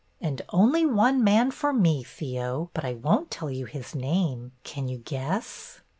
'' And only one man for me, Theo, — but I won't tell you his name. Can you guess